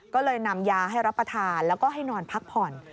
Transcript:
ก็เลยนำยาให้รับประทานแล้วก็ให้นอนพักผ่อน